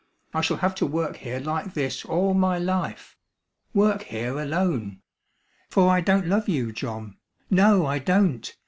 I shall have to work here like this all my life work here alone. For I don't love you, John. No, I don't.